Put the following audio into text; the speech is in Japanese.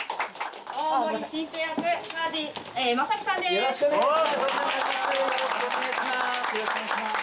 よろしくお願いします。